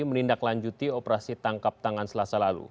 menindaklanjuti operasi tangkap tangan selasa lalu